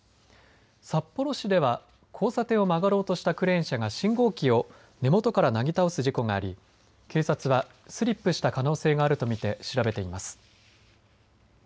札幌市では交差点を曲がろうとしたクレーン車が信号機を根元からなぎ倒す事故があり警察はスリップした可能性があると見て調べています。